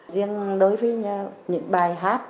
riêng đối với những bài hát